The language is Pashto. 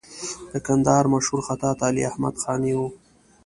د کندهار مشهور خطاط علي احمد قانع و.